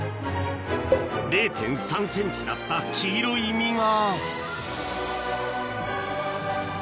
０．３ｃｍだった黄色い実がが！